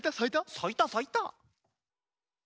さいたさいた。